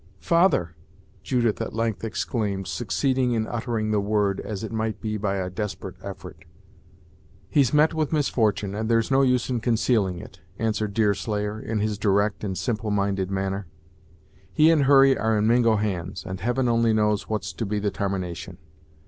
"Father!" Judith at length exclaimed, succeeding in uttering the word, as it might be by a desperate effort. "He's met with misfortune, and there's no use in concealing it," answered Deerslayer, in his direct and simple minded manner. "He and Hurry are in Mingo hands, and Heaven only knows what's to be the tarmination.